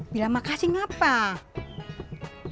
bijak makasih ngapaa